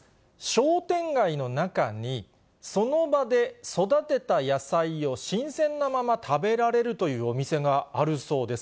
商店街の中にその場で育てた野菜を新鮮なまま食べられるというお店があるそうです。